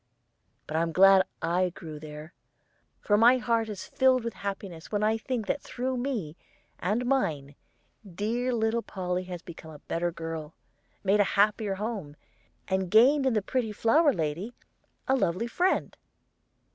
But I'm glad I grew there; for my heart is filled with happiness when I think that through me and mine dear little Polly has become a better girl, made a happier home, and gained in the pretty flower lady a lovely friend."